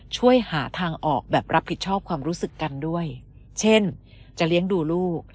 ช่วยหาทางออกแบบรับผิดชอบความรู้สึกกันด้วยเช่นจะเลี้ยงดูลูก